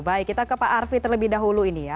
baik kita ke pak arfi terlebih dahulu ini ya